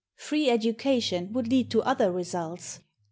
Free education would lead to other results.